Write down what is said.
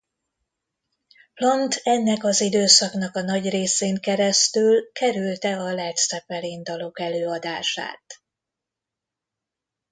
Plant ennek az időszaknak a nagy részén keresztül kerülte a Led Zeppelin dalok előadását.